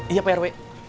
iya pak rw